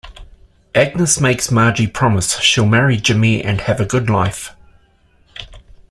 Agnes makes Margy promise she'll marry Jimmy and have a good life.